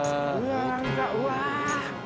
うわ。